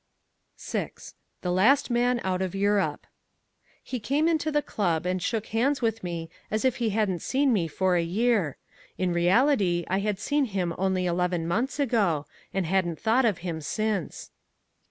6. The Last Man out of Europe He came into the club and shook hands with me as if he hadn't seen me for a year. In reality I had seen him only eleven months ago, and hadn't thought of him since.